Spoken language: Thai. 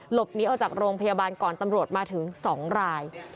หลบหนีออกจากโรงพยาบาลก่อนตำรวจมาถึง๒ราย